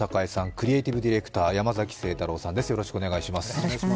クリエーティブディレクター、山崎晴太郎さんです。